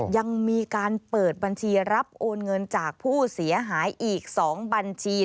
ยังมีการเปิดบัญชีรับโอนเงินจากผู้เสียหายอีก๒บัญชี